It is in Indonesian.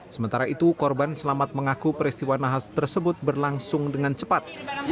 sementara itu korban selamat mengaku peristiwa nahas tersebut berlangsung dengan cepat